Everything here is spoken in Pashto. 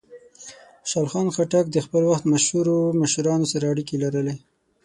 خوشحال خان خټک د خپل وخت د مشهورو مشرانو سره اړیکې لرلې.